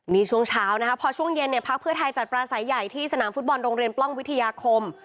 นี่ช่วงเช้านะคะพอช่วงเย็นเนี่ยพักเพื่อไทยจัดปลาสายใหญ่ที่สนามฟุตบอลโรงเรียนปล้องวิทยาคม